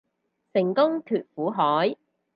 成功脫苦海